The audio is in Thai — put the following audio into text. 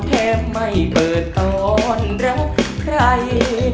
แท้ไม่เปิดตอนใร่ใคร